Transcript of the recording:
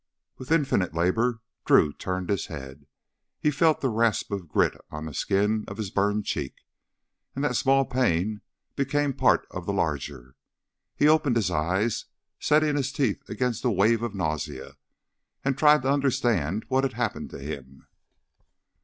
With infinite labor, Drew turned his head. He felt the rasp of grit on the skin of his burned cheek, and that small pain became a part of the larger. He opened his eyes, setting his teeth against a wave of nausea, and tried to understand what had happened to him.